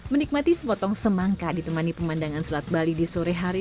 menikmati sepotong semangka ditemani pemandangan selat bali di sore hari